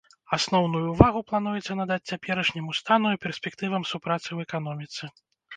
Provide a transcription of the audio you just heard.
Асноўную ўвагу плануецца надаць цяперашняму стану і перспектывам супрацы ў эканоміцы.